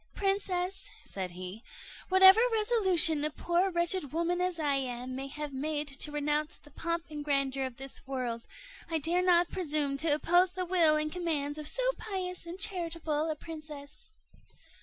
"Princess," said he, "whatever resolution a poor wretched woman as I am may have made to renounce the pomp and grandeur of this world, I dare not presume to oppose the will and commands of so pious and charitable a princess."